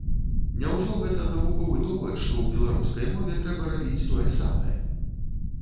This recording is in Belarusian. Няўжо гэта навуковы довад, што ў беларускай мове трэба рабіць тое самае?